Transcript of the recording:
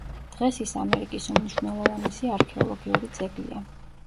დღეს ის ამერიკის უმნიშვნელოვანესი არქეოლოგიური ძეგლია.